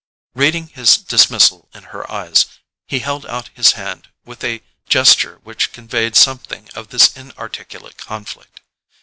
Reading his dismissal in her eyes, he held out his hand with a gesture which conveyed something of this inarticulate conflict.